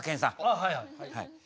あはいはいはい。